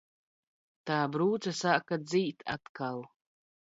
Tā brūce sāka dzīt atkal.